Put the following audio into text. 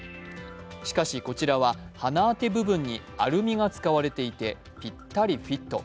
しかし、こちらは鼻当て部分にアルミが使われていてぴったりフィット。